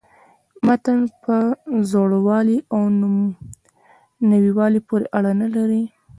متن په زوړوالي او نویوالي پوري اړه نه لري.